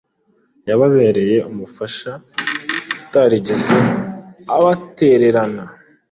yababereye umufasha utarigeze abatererana.